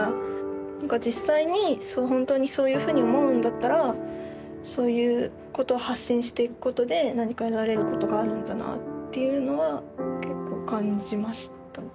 何か実際にほんとにそういうふうに思うんだったらそういうことを発信していくことで何か得られることがあるんだなっていうのは結構感じました。